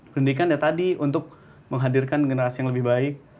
pendidikan ya tadi untuk menghadirkan generasi yang lebih baik